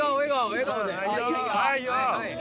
笑顔で。